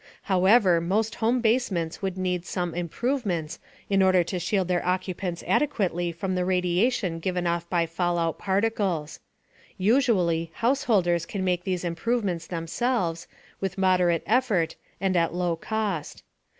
However, most home basements would need some improvements in order to shield their occupants adequately from the radiation given off by fallout particles. Usually, householders can make these improvements themselves, with moderate effort and at low cost.